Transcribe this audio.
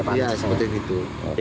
iya seperti itu